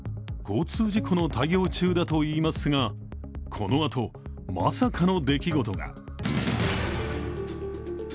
交通事故の対応中だといいますが、このあとまさかの出来事が。